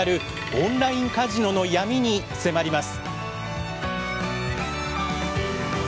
オンラインカジノの闇に迫ります。